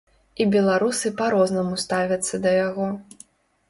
І беларусы па-рознаму ставяцца да яго.